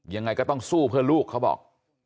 ยังไงก็ต้องสู้เพื่อลูกเขาบอก